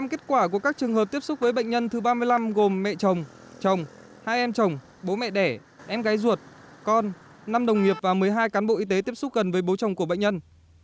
năm kết quả của các trường hợp tiếp xúc với bệnh nhân thứ ba mươi năm gồm mẹ chồng chồng hai em chồng bố mẹ đẻ em gái ruột con năm đồng nghiệp và một mươi hai cán bộ y tế tiếp xúc gần với bố chồng của bệnh nhân